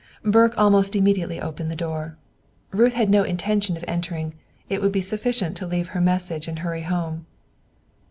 Burke almost immediately opened the door. Ruth had no intention of entering; it would be sufficient to leave her message and hurry home.